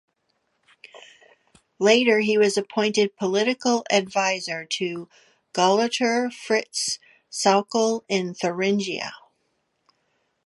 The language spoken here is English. Later he was appointed political adviser to Gauleiter Fritz Sauckel in Thuringia.